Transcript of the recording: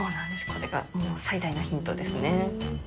これがもう最大のヒントですね。